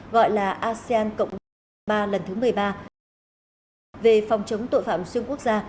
gọi là asean cộng đồng cuba lần thứ một mươi ba về phòng chống tội phạm xuyên quốc gia